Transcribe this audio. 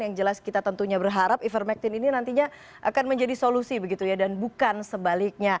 yang jelas kita tentunya berharap ivermectin ini nantinya akan menjadi solusi begitu ya dan bukan sebaliknya